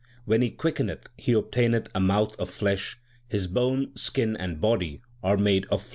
When he quickeneth, he obtaineth a mouth of flesh ; his bone, skin, and body are made of flesh.